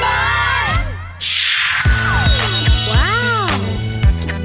ว้าว